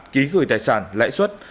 ký gửi tài sản lãi xuất